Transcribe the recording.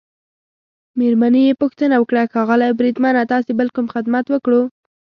مېرمنې يې پوښتنه وکړه: ښاغلی بریدمنه، ستاسي بل کوم خدمت وکړو؟